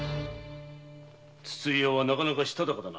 筒井屋はなかなかしたたかだな。